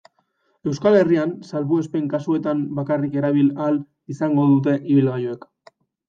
Euskal Herrian, salbuespen kasuetan bakarrik erabili ahal izango dute ibilgailuek.